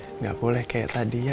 tidak boleh kayak tadi ya